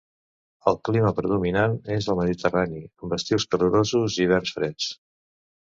El clima predominant és el mediterrani, amb estius calorosos i hiverns freds.